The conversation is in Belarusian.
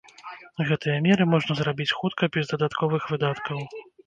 Гэтыя меры можна зрабіць хутка, без дадатковых выдаткаў.